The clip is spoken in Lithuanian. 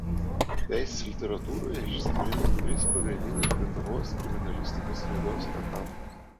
Teisės literatūroje išskiriami trys pagrindiniai Lietuvos kriminalistikos raidos etapai.